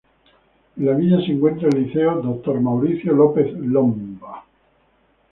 En la villa se encuentra el liceo Dr. Mauricio López Lomba.